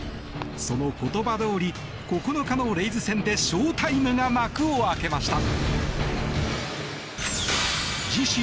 その言葉どおり９日のレイズ戦でショウタイムが幕を開けました。